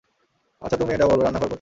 আচ্ছা তুমি এটা বলো রান্নাঘর কোথায়?